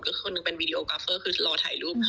ก็คือคนหนึ่งเป็นวีดีโอกาเฟอร์คือรอถ่ายรูป